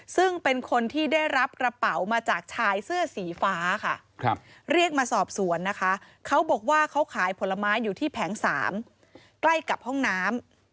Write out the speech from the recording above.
ซึ่งเป็นคนที่ได้รับกระเป๋ามาจากชายเสื้อสีฟ้าค่ะเรียกมาสอบสวนนะคะเขาบอกว่าเขาขายผลไม้อยู่ที่แผง๓ใกล้กับห้องน้ำ